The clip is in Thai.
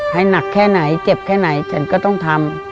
ให้หนักแค่ไหนเจ็บแค่ไหนฉันก็ต้องทำ